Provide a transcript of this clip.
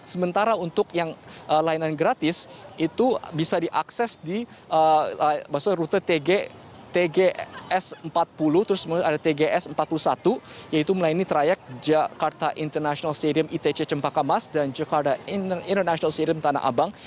sementara untuk yang layanan gratis itu bisa diakses di maksudnya rute tgs empat puluh terus ada tgs empat puluh satu yaitu melayani trayek jakarta international stadium itc cempakamas dan jakarta international stadium tanah abang